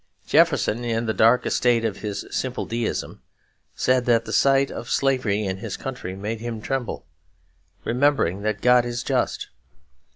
Jefferson, in the dark estate of his simple Deism, said the sight of slavery in his country made him tremble, remembering that God is just.